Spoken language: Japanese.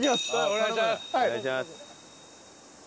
お願いします。